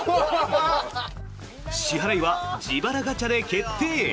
支払いは自腹ガチャで決定！